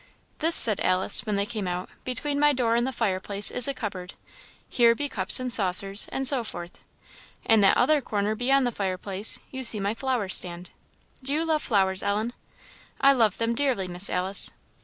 "This," said Alice, when they came out, "between my door and the fireplace, is a cupboard. Here be cups and saucers, and so forth. In that other corner beyond the fireplace you see my flower stand. Do you love flowers, Ellen?" "I love them dearly, Miss Alice."